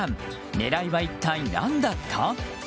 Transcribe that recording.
狙いは一体何だった？